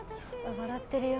笑ってるよ